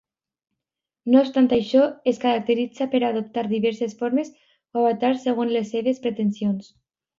No obstant això, es caracteritza per adoptar diverses formes o avatars segons les seves pretensions.